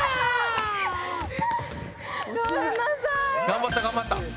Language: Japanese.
頑張った頑張った。